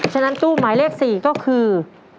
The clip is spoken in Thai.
ฉะนั้นตู้หมายเลข๔ก็คือ